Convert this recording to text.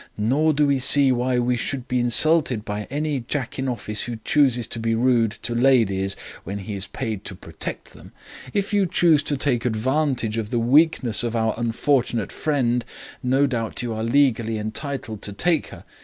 'Nor do we see why we should be insulted by any Jack in office who chooses to be rude to ladies, when he is paid to protect them. If you choose to take advantage of the weakness of our unfortunate friend, no doubt you are legally entitled to take her.